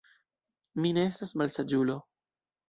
Mi ne estas malsaĝulo.